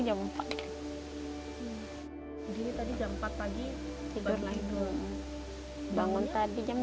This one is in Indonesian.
bangun tadi jam delapan